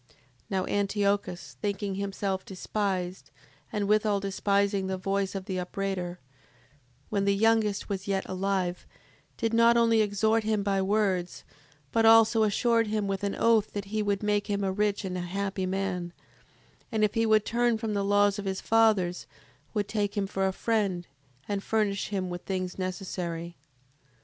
7:24. Now Antiochus, thinking himself despised, and withal despising the voice of the upbraider, when the youngest was yet alive, did not only exhort him by words, but also assured him with an oath, that he would make him a rich and a happy man, and, if he would turn from the laws of his fathers, would take him for a friend, and furnish him with things necessary.